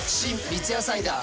三ツ矢サイダー』